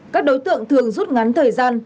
các đối tượng thường rút ngắn thời gian